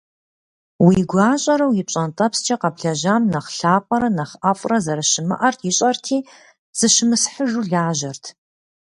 Уи гуащӀэрэ уи пщӀэнтӀэпскӀэ къэблэжьам нэхъ лъапӀэрэ нэхъ ӀэфӀрэ зэрыщымыӀэр ищӀэрти, зыщымысхьыжу лажьэрт.